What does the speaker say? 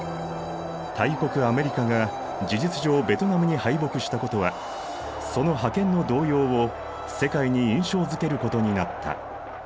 大国アメリカが事実上ベトナムに敗北したことはその覇権の動揺を世界に印象づけることになった。